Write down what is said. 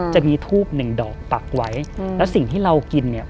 จะมีทูบหนึ่งดอกปักไว้แล้วสิ่งที่เรากินเนี่ย